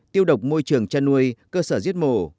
tiêu độc môi trường chăn nuôi cơ sở giết mổ